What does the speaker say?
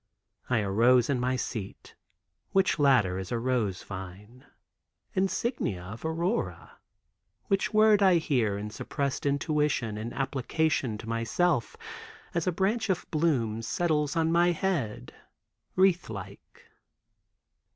I a"rose" in my seat, which latter is a rose vine—insignia of aurora—which word I hear in suppressed intuition in application to myself as a branch of bloom settles on my head wreath like.